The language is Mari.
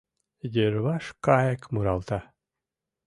Йырваш кайык муралта.